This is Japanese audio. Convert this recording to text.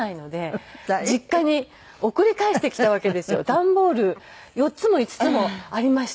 段ボール４つも５つもありまして。